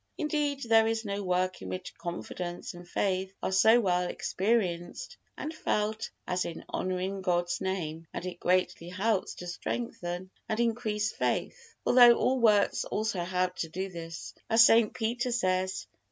Indeed there is no work in which confidence and faith are so much experienced and felt as in honoring God's Name; and it greatly helps to strengthen and increase faith, although all works also help to do this, as St. Peter says, II.